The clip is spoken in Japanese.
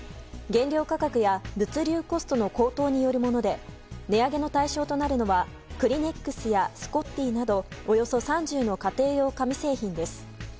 原料価格や物流コストの高騰によるもので値上げの対象となるのはクリネックスやスコッティなどおよそ３０の家庭用紙製品です。